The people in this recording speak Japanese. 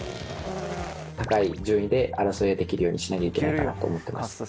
高い順位で争いができるようにしなきゃいけないかなと思ってます。